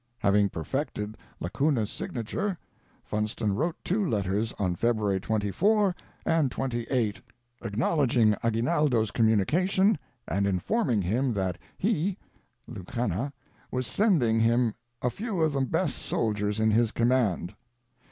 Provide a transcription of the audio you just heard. Having perfected La cuna's signature, Funston wrote two letters on February 24 and 28, acknowledging Aguinaldo's communication, and informing him that he (Lacuna) was sending him a few of the best soldiers in his command.